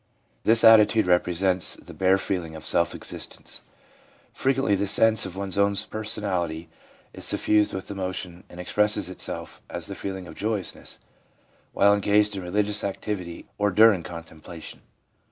This attitude represents the bare feeling of self existence. Frequently the sense of one's own personality is suffused with emotion, and expresses itself as the feeling of joyousness while engaged in religious activity or during contemplation.